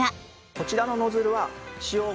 こちらのノズルは使用後